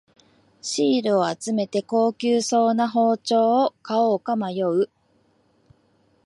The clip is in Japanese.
シールを集めて高級そうな包丁を買おうか迷う